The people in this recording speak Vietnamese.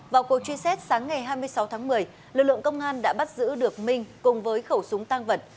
vào cuộc truy xét sáng ngày hai mươi sáu tháng một mươi lực lượng công an đã bắt giữ được minh cùng với khẩu súng tăng vật